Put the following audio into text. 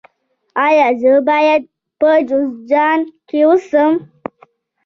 ایا زه باید په جوزجان کې اوسم؟